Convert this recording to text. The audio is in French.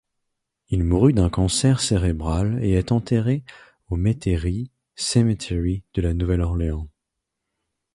Il mourut d'un cancer cérébral et est enterré au Metairie Cemetery de La Nouvelle-Orléans.